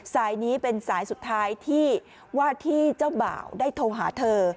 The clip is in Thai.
สายนี้เป็นสายสุดท้ายที่ว่าที่เจ้าบ่าวได้โทรหาเธอ